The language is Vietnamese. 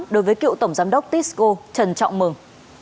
đối với cựu tổng giám đốc tisco trần trọng mừng